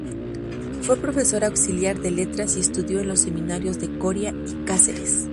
Fue profesor auxiliar de letras y estudió en los seminarios de Coria y Cáceres.